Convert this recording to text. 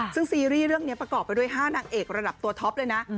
ซึ่งซีรีส์เรื่องนี้ประกอบไปด้วย๕นางเอกระดับตัวท็อปเลยนะ